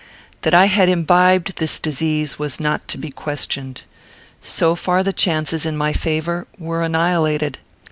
That I had imbibed this disease was not to be questioned. So far the chances in my favour were annihilated.